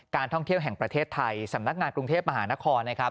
ท่องเที่ยวแห่งประเทศไทยสำนักงานกรุงเทพมหานครนะครับ